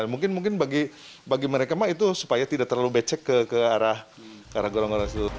mungkin mungkin bagi mereka mah itu supaya tidak terlalu becek ke arah golong golong situ